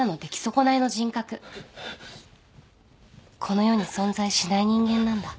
この世に存在しない人間なんだ。